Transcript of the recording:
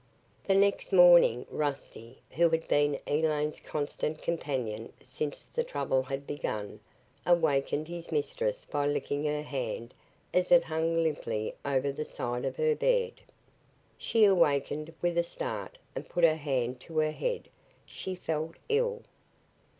........ The next morning, Rusty, who had been Elaine's constant companion since the trouble had begun, awakened his mistress by licking her hand as it hung limply over the side of her bed. She awakened with a start and put her hand to her head. She felt ill.